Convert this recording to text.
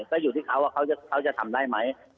ก็อยู่ที่เขาว่าเขาจะทำได้ไหม